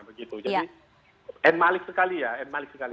jadi end malik sekali ya end malik sekali